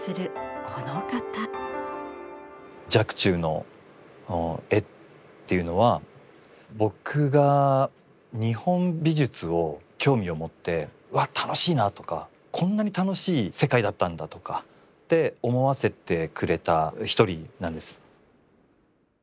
若冲の絵っていうのは僕が日本美術を興味を持ってわっ楽しいなとかこんなに楽しい世界だったんだとかって思わせてくれた一人なんです。